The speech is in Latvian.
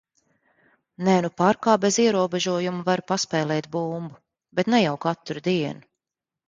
Nē, nu parkā bez ierobežojuma varu paspēlēt bumbu, bet ne jau katru dienu.